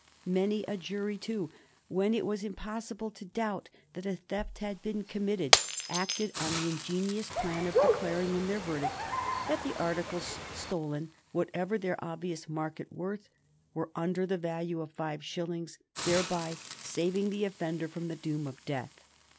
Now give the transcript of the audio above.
Many a jury, too, when it was impossible to doubt that a theft had been committed, acted on the ingenious plan of declaring in their verdict that the articles stolen, whatever their obvious market worth, were under the value of five shillings, thereby saving the offender from the doom of death.